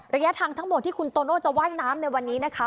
ระยะทางทั้งหมดที่คุณโตโน่จะว่ายน้ำในวันนี้นะคะ